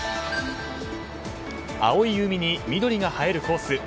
青い海に緑が映えるコース。